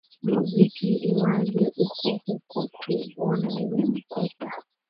muziki iwaje uko huko tu ona nimemkuta